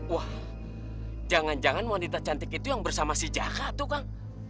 wah jangan jangan wanita cantik itu yang bersama si jaka tuh kang